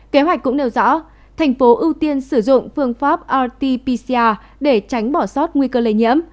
kế hoạch cũng nêu rõ thành phố ưu tiên sử dụng phương pháp rt pcr để tránh bỏ sót nguy cơ lây nhiễm